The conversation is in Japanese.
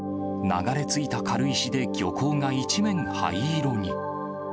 流れ着いた軽石で漁港が一面灰色に。